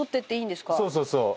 そうそうそう。